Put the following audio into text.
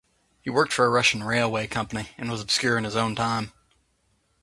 He worked for a Russian railway company and was obscure in his own time.